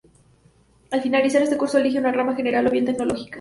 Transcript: Al finalizar este curso eligen una rama general o bien tecnológica.